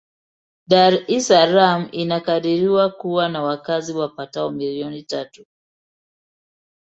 Dar es Salaam inakadiriwa kuwa na wakazi wapatao milioni tatu.